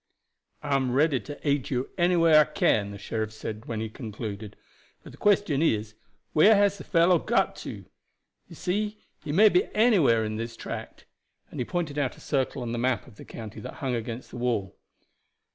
"I am ready to aid you in any way I can," the sheriff said when he concluded; "but the question is, where has the fellow got to? You see he may be anywhere in this tract;" and he pointed out a circle on the map of the county that hung against the wall.